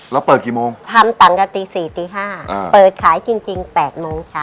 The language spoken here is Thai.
แล้วเปิดกี่โมงทำต่างกันตี๔ตี๕เปิดขายจริงจริง๘โมงเช้า